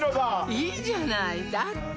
いいじゃないだってよしっ！